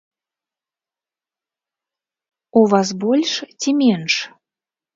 У вас больш ці менш?